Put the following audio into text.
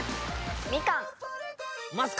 みかん。